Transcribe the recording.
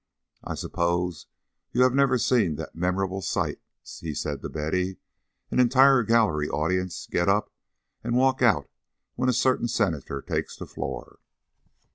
I suppose you have never seen that memorable sight," he said to Betty: "an entire gallery audience get up and walk out when a certain Senator takes the floor?"